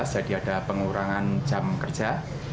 jadi ada pengurangan jam kerja